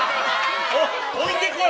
置いてこい！